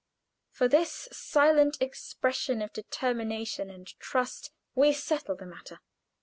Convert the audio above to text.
With this silent expression of determination and trust we settled the matter.